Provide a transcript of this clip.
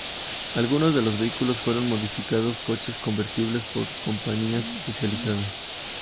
Algunos de los vehículos fueron modificados coches convertibles por compañías especializadas.